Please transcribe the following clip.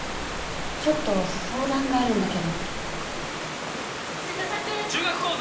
ちょっと相談があるんだけど。